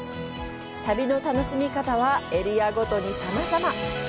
旅の楽しみ方はエリアごとにさまざま。